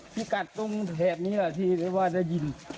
พิกัดตรงแถบนี้แหละที่ได้ว่าได้ยิน